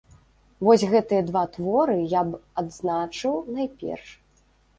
Вось гэтыя два творы я б адзначыў найперш.